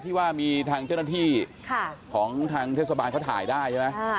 ที่ว่ามีทางเจ้าหน้าที่ของทางเทศบาลเขาถ่ายได้ใช่ไหม